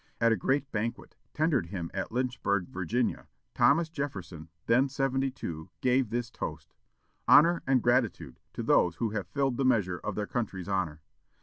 At a great banquet tendered him at Lynchburg, Virginia, Thomas Jefferson, then seventy two, gave this toast: "Honor and gratitude to those who have filled the measure of their country's honor."